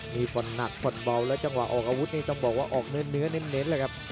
มีฝนหนักฝนเบาแล้วจังหวะออกอาวุธนี้ต้องบอกว่าออกเหนือเน่นแหละครับ